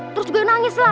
terus gue nangis lah